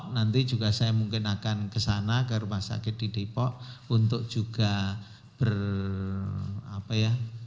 nanti juga saya mungkin akan ke sana ke rumah sakit di depok untuk juga berapa ya